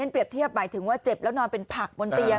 เปรียบเทียบหมายถึงว่าเจ็บแล้วนอนเป็นผักบนเตียง